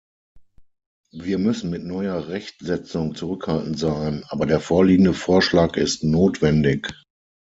Wir müssen mit neuer Rechtsetzung zurückhaltend sein, aber der vorliegende Vorschlag ist notwendig.